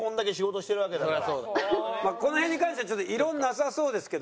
この辺に関してはちょっと異論なさそうですけど。